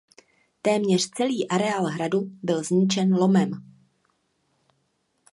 Téměř celý areál hradu byl zničen lomem.